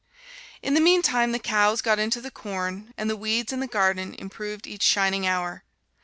In the meantime the cows got into the corn, and the weeds in the garden improved each shining hour.